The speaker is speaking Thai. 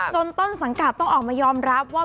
ต้นสังกัดต้องออกมายอมรับว่า